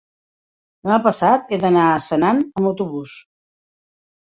demà passat he d'anar a Senan amb autobús.